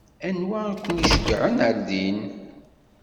Anwa i k-iceyyɛen ɣer din?